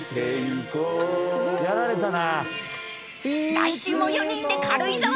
［来週も４人で軽井沢旅］